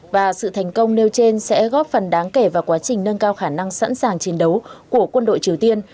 và sự thành công nêu trên sẽ góp phần đáng kể vào quá trình nâng cao khả năng sẵn sàng chiến đấu của quân đội triều tiên